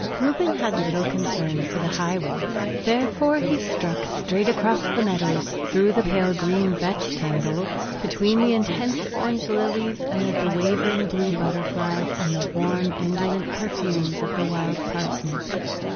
Reuben had little concern for the highways. Therefore he struck straight across the meadows, through the pale green vetch tangle, between the intense orange lilies, amid the wavering blue butterflies and the warm, indolent perfumes of the wild parsnip.